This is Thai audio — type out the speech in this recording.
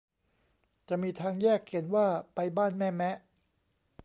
จะมีทางแยกเขียนว่าไปบ้านแม่แมะ